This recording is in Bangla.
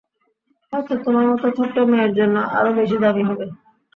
হয়তো তোমার মত ছোট্ট মেয়ের জন্য আরও বেশি দামী হবে।